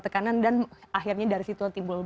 tekanan dan akhirnya dari situ timbul